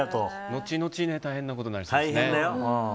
後々大変なことになりそうですね。